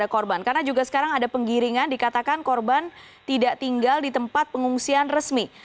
karena juga sekarang ada penggiringan dikatakan korban tidak tinggal di tempat pengungsian resmi